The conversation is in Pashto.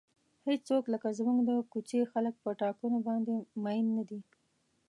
هیڅوک لکه زموږ د کوڅې خلک په ټاکنو باندې مین نه دي.